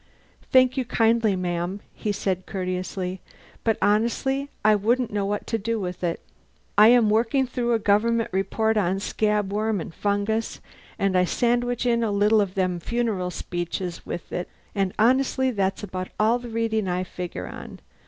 "Thank you kindly, ma'am," he said courteously. "But honestly I wouldn't know what to do with it. I am working through a government report on scabworm and fungus, and I sandwich in a little of them funereal speeches with it, and honestly that's about all the readin' I figure on.